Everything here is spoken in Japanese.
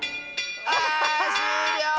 あしゅうりょう！